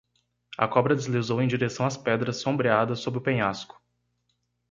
A cobra deslizou em direção às pedras sombreadas sob o penhasco.